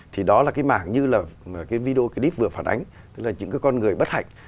thì đó là cái mảng như video clip vừa phản ánh tức là những con người bất hạnh